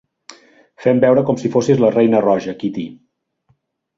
Fem veure com si fossis la Reina Roja, Kitty!